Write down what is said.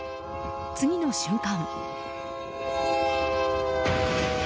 次の瞬間。